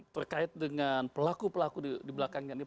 terkait dengan pelaku pelaku di belakangnya ini